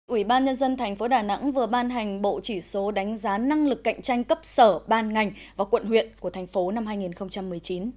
ủy ban nhân dân tp đà nẵng vừa ban hành bộ chỉ số đánh giá năng lực cạnh tranh cấp sở ban ngành và quận huyện của tp năm hai nghìn một mươi chín